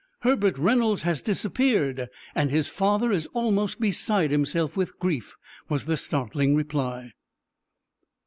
"Herbert Reynolds has disappeared, and his father is almost beside himself with grief!" was the startling reply.